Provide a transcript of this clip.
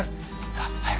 さあ早く！